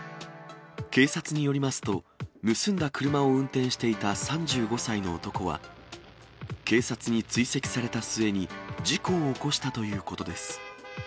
警察によりますと、盗んだ車を運転していた３５歳の男は、警察に追跡された末に、事故を起こしたということです。